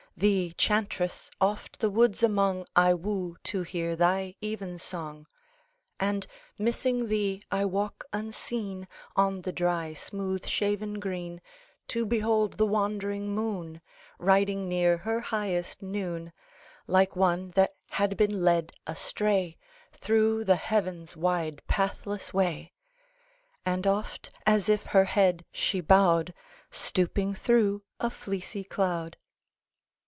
Thee, chauntress, oft the woods among I woo, to hear thy even song; And, missing thee, I walk unseen On the dry smooth shaven green, To behold the wandering moon, Riding near her highest noon, Like one that had been led astray Through the heaven's wide pathless way, And oft, as if her head she bowed, Stooping through a fleecy cloud.